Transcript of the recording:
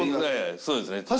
そうですね